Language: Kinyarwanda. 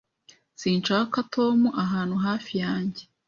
Sinshaka Tom ahantu hafi yanjye.